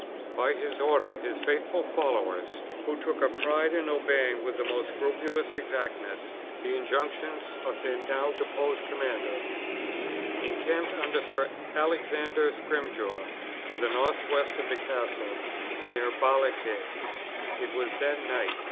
By his order his faithful followers (who took a pride in obeying with the most scrupulous exactness the injunctions of their now deposed commander) encamped under Sir Alexander Scrymgeour to the northwest of the castle, near Ballockgeich. It was then night.